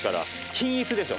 均一でしょ。